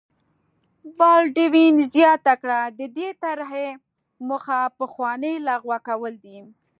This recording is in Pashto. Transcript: بالډوین زیاته کړه د دې طرحې موخه پخوانۍ لغوه کول دي.